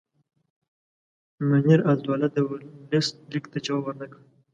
منیرالدوله د ورلسټ لیک ته جواب ورنه کړ.